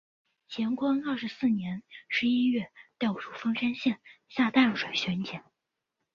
乾隆二十四年十一月调署凤山县下淡水巡检。